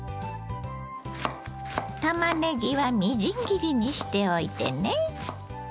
たまねぎはみじん切りにしておいてね。